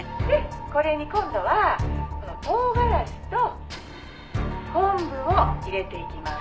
「これに今度はこの唐辛子と昆布を入れていきます」